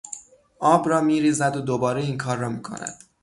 آب را میریزد و دوباره اینکار را میکند